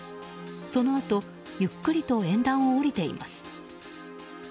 そのあと、ゆっくりと演壇を下りています。